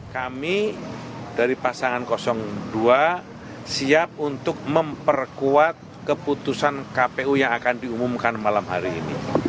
kami dari pasangan dua siap untuk memperkuat keputusan kpu yang akan diumumkan malam hari ini